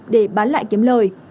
để bán lại kiếm lời